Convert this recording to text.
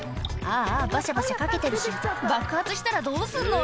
あぁバシャバシャかけてるし爆発したらどうすんの？